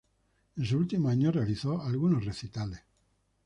En sus últimos años realizó algunos recitales.